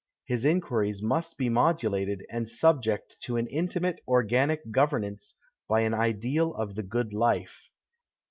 His inquiries must be modulated, and subject to an intimate, organic governance by an ideal of the good life."